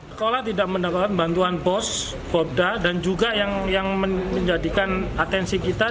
sekolah tidak mendapatkan bantuan bos bobda dan juga yang menjadikan atensi kita